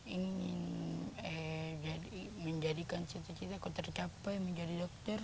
ingin menjadikan seseorang tercapai menjadi dokter